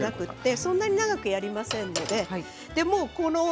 そんなに長くやりませんのでね。